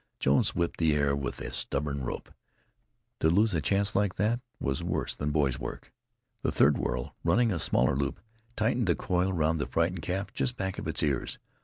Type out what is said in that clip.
Jones whipped the air with the stubborn rope. To lose a chance like that was worse than boy's work. The third whirl, running a smaller loop, tightened the coil round the frightened calf just back of its ears.